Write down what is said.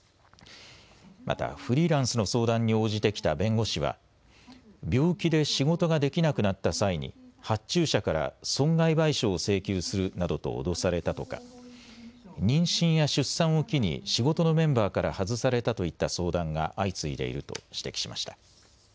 またフリーランスの相談に応じてきた弁護士は病気で仕事ができなくなった際に発注者から損害賠償を請求するなどと脅されたとか妊娠や出産を機に仕事のメンバーから外されたといった相談が相次いでいると指摘しました。